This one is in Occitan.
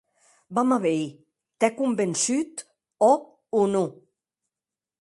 Vam a veir, t’é convençut, òc o non?